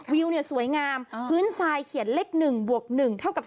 วิวเนี่ยสวยงามพื้นไซค์เขียนเลข๑บวก๑เท่ากับ๓